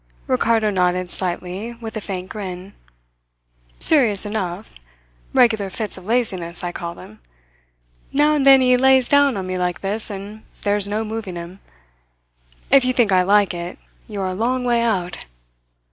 Ricardo nodded slightly, with a faint grin. "Serious enough. Regular fits of laziness, I call them. Now and then he lays down on me like this, and there's no moving him. If you think I like it, you're a long way out.